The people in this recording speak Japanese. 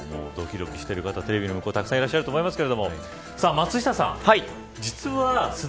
ドキドキしている方、テレビの向こうにもたくさんいらっしゃると思いますが、松下さん